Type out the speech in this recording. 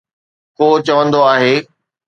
ڪو چوندو آهي